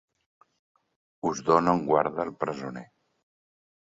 Us dono en guarda el presoner.